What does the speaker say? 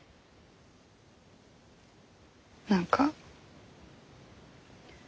何か。